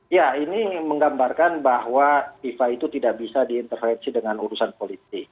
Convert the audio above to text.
ya ini menggambarkan bahwa fifa itu tidak bisa diintervensi dengan urusan politik